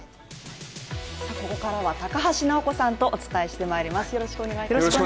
ここからは高橋尚子さんとお伝えしてまいります。